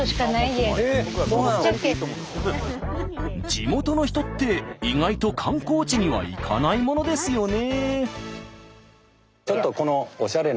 地元の人って意外と観光地には行かないものですよね。